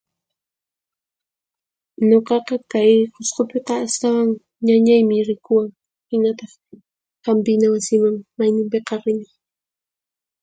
Nuqaqa kay Qusqupiqa astawan ñañaymi rikuwan hinataq Hampina Wasiman mayninpiqa rini.